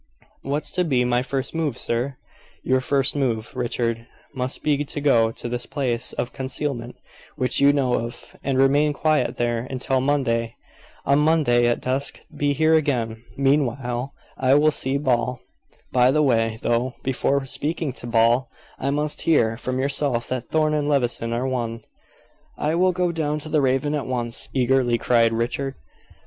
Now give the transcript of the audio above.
"What's to be my first move, sir?" "Your first move, Richard, must be to go to this place of concealment, which you know of, and remain quiet there until Monday. On Monday, at dusk, be here again. Meanwhile, I will see Ball. By the way, though, before speaking to Ball, I must hear from yourself that Thorn and Levison are one." "I will go down to the Raven at once," eagerly cried Richard.